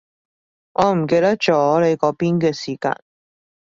我唔記得咗你嗰邊嘅時間